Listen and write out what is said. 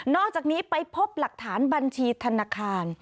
อกจากนี้ไปพบหลักฐานบัญชีธนาคาร